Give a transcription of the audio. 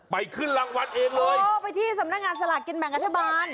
ไปขึ้นรางวัลเองเลยโอ้ไปที่สำนักงานสลากกินแบ่งรัฐบาล